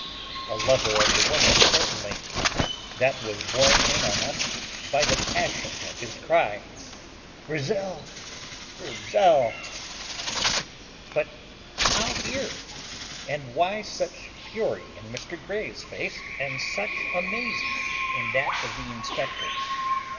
A lover of the woman certainly; that was borne in on us by the passion of his cry: "Grizel! Grizel!" But how here? and why such fury in Mr. Grey's face and such amazement in that of the inspector?